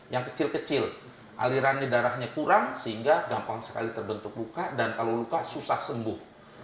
yang kecil kecil alirannya darahnya kurang sehingga gampang sekali terbentuk luka dan kalau luka susah sembuh